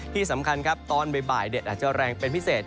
ที่สำคัญครับตอนบ่ายแดดอาจจะแรงเป็นพิเศษ